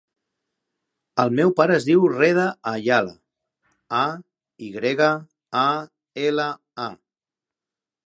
El meu pare es diu Reda Ayala: a, i grega, a, ela, a.